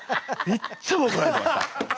いっつもおこられてました。